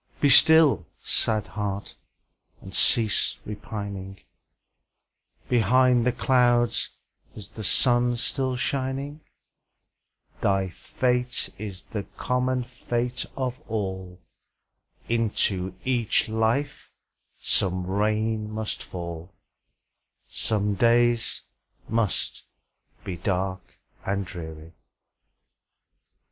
Be still, sad heart! and cease repining; Behind the clouds is the sun still shining; Thy fate is the common fate of all, Into each life some rain must fall, Some days must be dark and dreary.